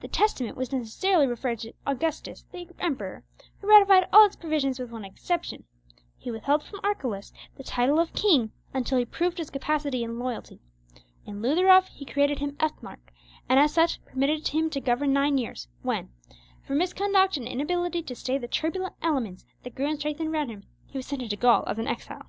The testament was necessarily referred to Augustus, the emperor, who ratified all its provisions with one exception: he withheld from Archelaus the title of king until he proved his capacity and loyalty; in lieu thereof, he created him ethnarch, and as such permitted him to govern nine years, when, for misconduct and inability to stay the turbulent elements that grew and strengthened around him, he was sent into Gaul as an exile.